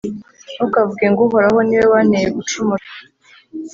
Ntukavuge ngo «Uhoraho ni we wanteye gucumura»,